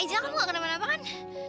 angela kamu gak kenapa napa kan